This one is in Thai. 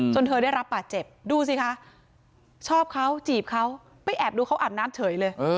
เธอได้รับบาดเจ็บดูสิคะชอบเขาจีบเขาไปแอบดูเขาอาบน้ำเฉยเลย